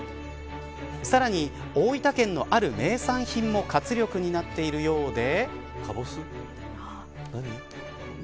さらに大分県のある名産品も活力になっているそうで。